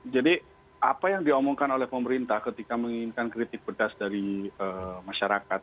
jadi apa yang diomongkan oleh pemerintah ketika menginginkan kritik pedas dari masyarakat